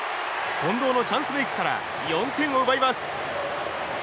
近藤のチャンスメイクから４点を奪います。